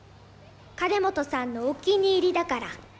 金本さんのお気に入りだから。